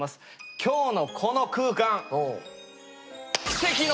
今日のこの空間！